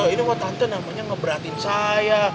ini buat tante namanya ngeberatin saya